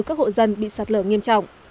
các hộ dân bị sạt lở nghiêm trọng